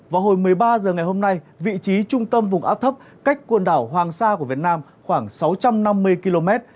vào hồi một mươi ba h ngày hôm nay vị trí trung tâm vùng áp thấp cách quần đảo hoàng sa của việt nam khoảng sáu trăm năm mươi km